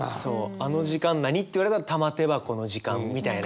あの時間何？って言われたら玉手箱の時間みたいな。